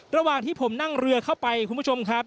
ระหว่างที่ผมนั่งเรือเข้าไปคุณผู้ชมครับ